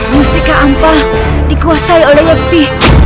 mustika ampah dikuasai oleh yabti